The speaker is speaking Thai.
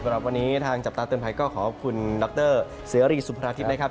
สำหรับวันนี้ทางจับตาเตือนภัยก็ขอบคุณดรเสรีสุภาทิพย์นะครับ